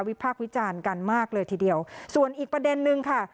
พากษ์วิจารณ์กันมากเลยทีเดียวส่วนอีกประเด็นนึงค่ะ